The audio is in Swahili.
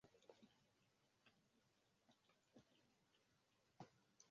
jorgensen abelseth alikuwa mfugaji wa norway